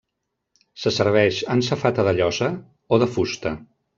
Se serveix en safata de llosa o de fusta.